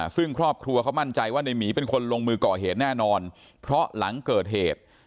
ซึ่งครอบครัวเขามั่นใจว่าในหมีเป็นคนลงมือก่อเหตุแน่นอนเพราะหลังเกิดเหตุ